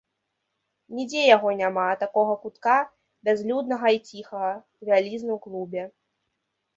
Нідзе яго няма, такога кутка, бязлюднага і ціхага, у вялізным клубе.